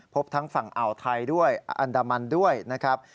พบทั้งฝั่งอ่าวไทยด้วยอันดามันด้วยนะครับ